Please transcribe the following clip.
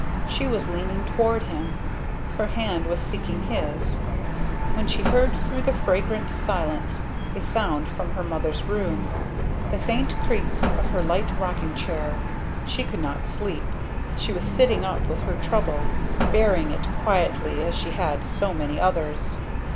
She was leaning toward him her hand was seeking his, when she heard through the fragrant silence a sound from her mother's room the faint creak of her light rocking chair. She could not sleep she was sitting up with her trouble, bearing it quietly as she had so many others.